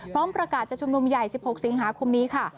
พร้อมประกาศจะชุมนุมใหญ่๑๖สิงหาคมนี้ค่ะ